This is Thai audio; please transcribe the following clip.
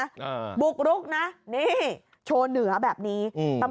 อ่าบุกรุกนะนี่โชว์เหนือแบบนี้อืม